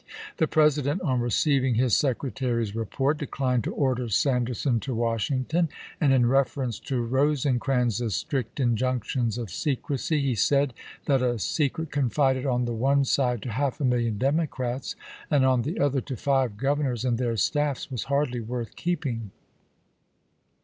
The President, on receiving his secretary's report, declined to order Sanderson to Washington ; and in CONSPIEACIES IN THE NOKTH 11 reference to Rosecrans's strict injunctions of secrecy, chap. i. he said that a secret confided on the one side to half a million Democrats, and on the other to five Gov ernors and their staffs, was hardly worth keeping.